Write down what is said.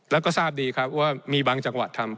แล้วก็ทราบดีครับว่ามีบางจังหวัดทำ